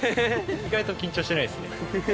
意外と緊張してないですね。